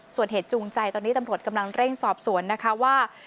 ส่วนเหตุจูงใจตอนนี้ตำรวจกำลังเร่งสอบสวนนะคะว่า